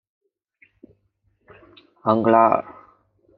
昂格拉尔。